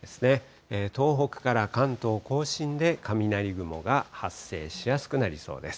東北から関東甲信で雷雲が発生しやすくなりそうです。